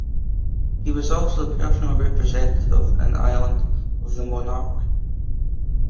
He was also the personal representative in Ireland of the monarch.